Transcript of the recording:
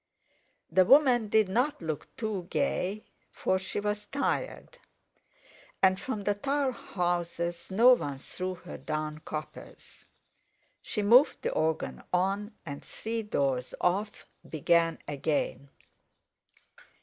The woman did not look too gay, for she was tired; and from the tall houses no one threw her down coppers. She moved the organ on, and three doors off began again.